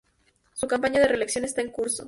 Su campaña de reelección está en curso.